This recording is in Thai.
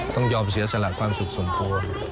ต้องยอมเสียสละความสุขสมโพ